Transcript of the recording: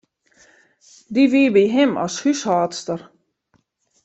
Dy wie by him as húshâldster.